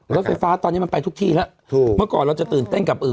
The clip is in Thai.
รถไฟฟ้าตอนนี้มันไปทุกที่แล้วถูกเมื่อก่อนเราจะตื่นเต้นกับเออ